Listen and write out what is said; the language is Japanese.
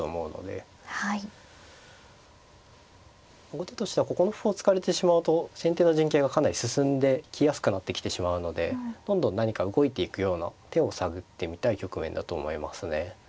後手としてはここの歩を突かれてしまうと先手の陣形がかなり進んできやすくなってきてしまうのでどんどん何か動いていくような手を探ってみたい局面だと思いますね。